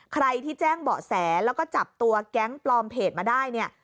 ใครที่แจ้งเบาะแสแล้วก็จับตัวแก๊งปลอมเพจมาได้เนี่ย